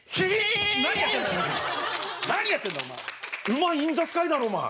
馬インザスカイだろお前。